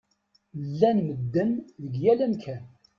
Llan medden deg yal amkan.